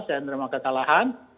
saya menerima kesalahan